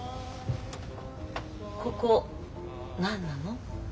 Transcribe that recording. ここ何なの？